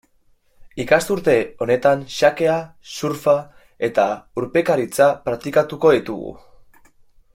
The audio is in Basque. Ikasturte honetan xakea, surfa eta urpekaritza praktikatuko ditugu.